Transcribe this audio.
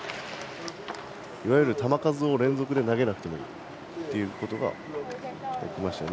いわゆる球数を連続で投げなくてもいいということができましたよね。